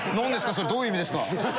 それどういう意味ですか？